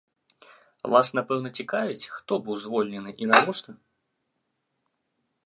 Вас, напэўна, цікавіць, хто быў звольнены і навошта?